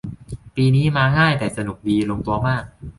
ปีนี้มาง่ายแต่สนุกดี ลงตัวมาก